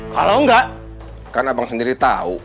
kalau enggak kan abang sendiri tahu